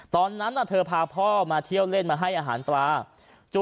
ตอนนั้นเธอพาพ่อมาเที่ยวเล่นมาให้อาหารปลา